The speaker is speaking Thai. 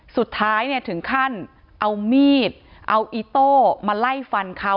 สุดท้ายเนี่ยถึงขั้นเอามีดเอาอิโต้มาไล่ฟันเขา